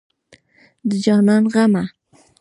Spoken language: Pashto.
د جانان غمه